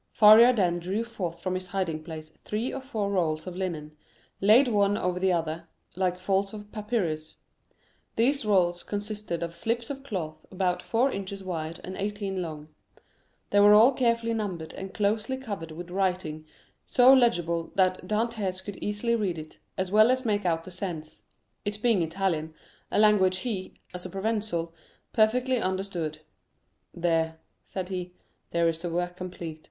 Faria then drew forth from his hiding place three or four rolls of linen, laid one over the other, like folds of papyrus. These rolls consisted of slips of cloth about four inches wide and eighteen long; they were all carefully numbered and closely covered with writing, so legible that Dantès could easily read it, as well as make out the sense—it being in Italian, a language he, as a Provençal, perfectly understood. "There," said he, "there is the work complete.